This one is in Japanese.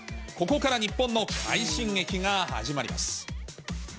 ここから日本の快進撃が始まります。